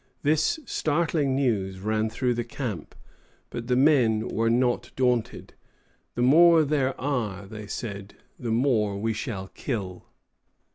This startling news ran through the camp; but the men were not daunted. "The more there are," they said, "the more we shall kill."